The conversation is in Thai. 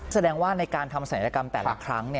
แสดงว่าในการทำประสานยักษ์กลั้มแต่ละครั้ง